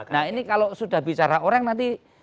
nah ini kalau sudah bicara orang nanti